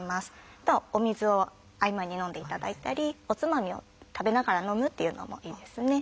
あとお水を合間に飲んでいただいたりおつまみを食べながら飲むというのもいいですね。